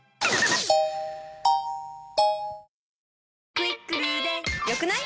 「『クイックル』で良くない？」